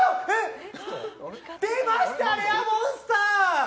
出ました、レアモンスター！